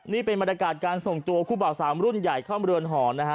นี่เป็นบรรยากาศการส่งตัวคู่เป่าสามรุ่นใหญ่เข้ามาเรือนหอม